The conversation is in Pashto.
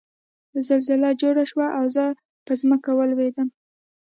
زلزله جوړه شوه او زه په ځمکه ولوېدم